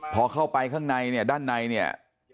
พอเข้าไปข้างในเนี่ยด้านในเนี่ย